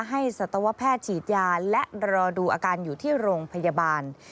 สัตวแพทย์ฉีดยาและรอดูอาการอยู่ที่โรงพยาบาล